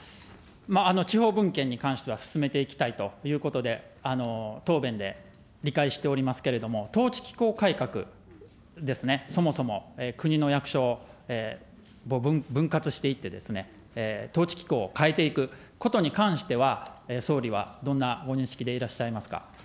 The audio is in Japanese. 地方分権に関しては進めていきたいということで、答弁で理解しておりますけれども、統治機構改革ですね、そもそも、国の役所、分割していってですね、統治機構を変えていくことに関しては、総理はどんなご認識でいらっしゃいますか。